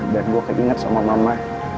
dan gue keinget sama mama